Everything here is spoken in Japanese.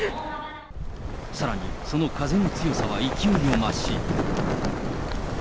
さらに、その風の強さは勢いを増し。